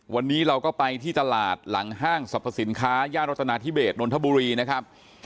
วันนี้เราก็ไปที่ตลาดหลังห้างสรรพสินค้าย่านรัตนาธิเบสนนทบุรีนะครับ